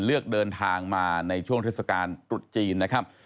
เลือกเดินทางมาในช่วงเทศกาลตรุษจีนนะครับ